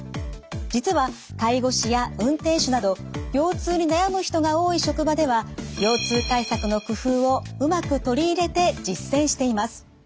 実は介護士や運転手など腰痛に悩む人が多い職場では腰痛対策の工夫をうまく取り入れて実践しています。